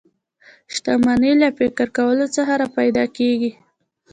شتمني له فکر کولو څخه را پیدا کېږي